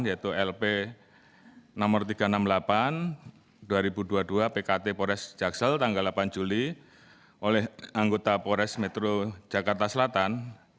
yaitu lp no tiga ratus enam puluh delapan dua ribu dua puluh dua pkt pores jaksel tanggal delapan juli oleh anggota pores metro jakarta selatan